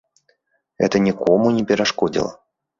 Гэта нікому не перашкодзіла.